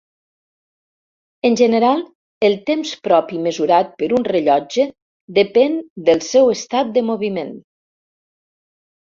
En general, el temps propi mesurat per un rellotge depèn del seu estat de moviment.